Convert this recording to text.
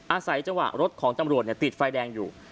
อาศัยจังหวะรถของตำรวจติดไฟแดงอยู่